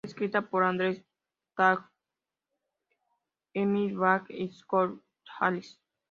Fue escrita por Andrew Taggart, Emily Warren y Scott Harris.